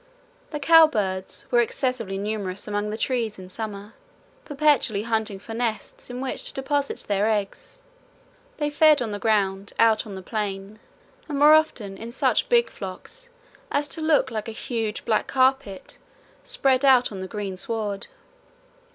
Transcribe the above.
The cow birds were excessively numerous among the trees in summer, perpetually hunting for nests in which to deposit their eggs: they fed on the ground out on the plain and were often in such big flocks as to look like a huge black carpet spread out on the green sward.